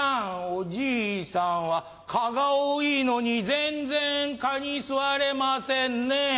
おじいさんは蚊が多いのに全然蚊に吸われませんね。